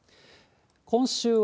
今週は、